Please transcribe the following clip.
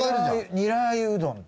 ニラー油うどんと。